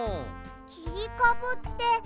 きりかぶって。